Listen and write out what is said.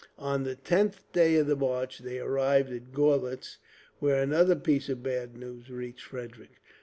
On the tenth day of the march they arrived at Gorlitz, where another piece of bad news reached Frederick.